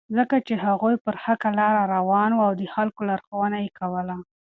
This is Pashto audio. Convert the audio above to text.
ځکه چې هغوی پر حقه لاره روان وو او د خلکو لارښوونه یې کوله.